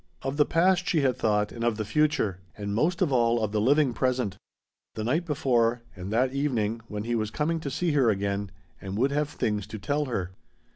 Of the past she had thought, and of the future, and most of all of the living present: the night before, and that evening, when he was coming to see her again and would have things to tell her.